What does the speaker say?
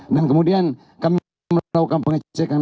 dan kemudian kami melakukan pengecekan